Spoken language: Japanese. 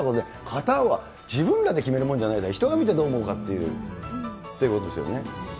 型は自分らで決めるものじゃない、人が見てどう思うかっていうことですよね。